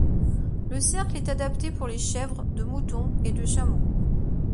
Le cercle est adapté pour les chèvres, de moutons et de chameaux.